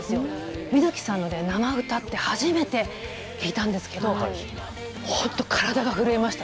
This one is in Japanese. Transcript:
水木さんの生歌、初めて聴いたんですが本当に体が震えました。